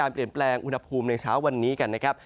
เปลี่ยนแปลงอุณหภูมิในเช้าวันนี้กันนะครับ